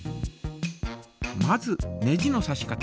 まずネジのさし方。